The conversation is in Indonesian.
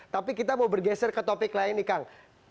tapi kita mau bergeser ke topik lain nih kang